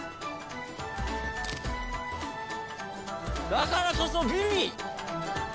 だからこそ美味！